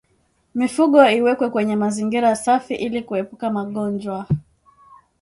Mifugo iwekwe kwenye mazingira safi ili kuepuka magonjwa